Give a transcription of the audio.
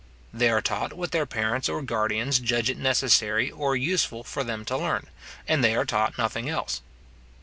They are taught what their parents or guardians judge it necessary or useful for them to learn, and they are taught nothing else.